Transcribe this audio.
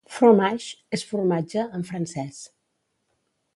"Fromage" és "formatge" en francès.